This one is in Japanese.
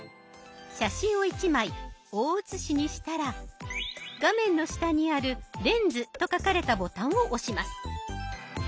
写真を１枚大写しにしたら画面の下にある「レンズ」と書かれたボタンを押します。